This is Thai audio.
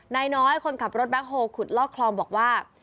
นายน้อยคนขับรถแบ็คโฮลขุดลอกคลองบอกว่า